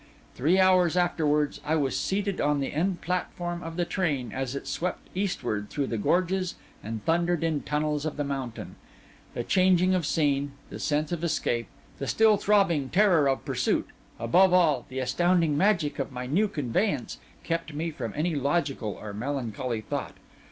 Three hours afterwards, I was seated on the end platform of the train as it swept eastward through the gorges and thundered in tunnels of the mountain. The change of scene, the sense of escape, the still throbbing terror of pursuit—above all, the astounding magic of my new conveyance, kept me from any logical or melancholy thought.